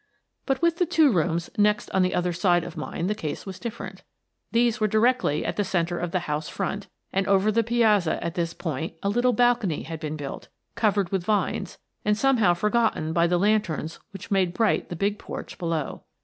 But with the two rooms next on the other side of mine the case was different. These were directly at the centre of the house front, and over the piazza at this point a little balcony had been built, covered with vines, and somehow forgotten by the lanterns which made bright the big porch below.